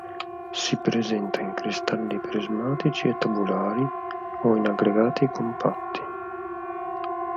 Si presenta in cristalli prismatici e tabulari o in aggregati compatti.